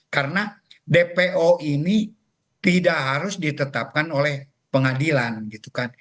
karena dpo ini tidak harus ditetapkan oleh pengadilan